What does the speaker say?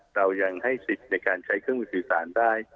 เรายังให้สิทธิ์ในการใช้เครื่องมือสื่อสารได้